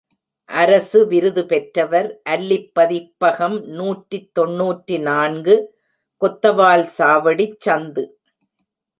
அரசு விருது பெற்றவர் அல்லிப் பதிப்பகம் நூற்றி தொன்னூற்று நான்கு, கொத்தவால்சாவடிச் சந்து.